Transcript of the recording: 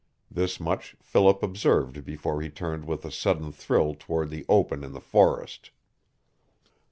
This much Philip observed before he turned with a sudden, thrill toward the open in the forest.